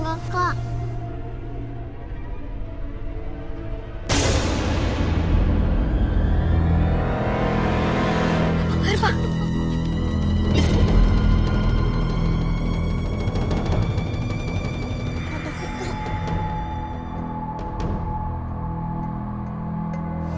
gak ada itu manusia buaya ini